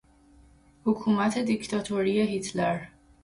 حکومت دیکتاتوری هیتلر